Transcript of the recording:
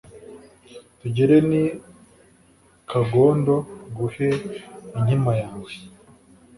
tugere n'i kagondo nguhe inkima yawe